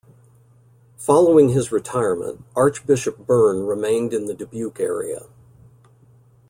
Following his retirement, Archbishop Byrne remained in the Dubuque area.